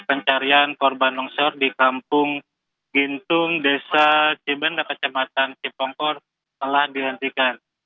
pencarian korban longsor di kampung gintung desa cibenda kecamatan cipongkor telah dihentikan